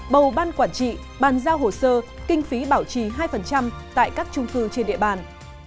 bầu ban quản trị bàn giao hồ sơ kinh phí bảo trì hai tại các trung cư trên địa bàn